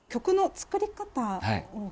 作り方？